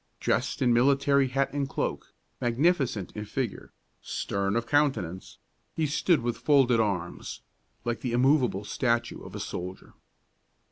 Dressed in military hat and cloak, magnificent in figure, stern of countenance, he stood with folded arms, like the immovable statue of a soldier.